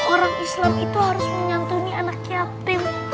orang islam itu harus menyantuni anak yatim